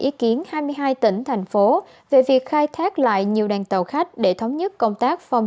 ý kiến hai mươi hai tỉnh thành phố về việc khai thác lại nhiều đoàn tàu khách để thống nhất công tác